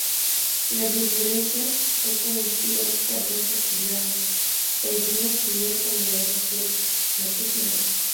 Las inflorescencias son como espigas carnosas y blandas, posición axilar con numerosas flores blanquecinas.